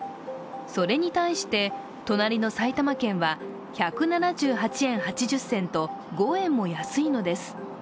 それに対して隣の埼玉県は１７８円８０銭と５円も安いのです。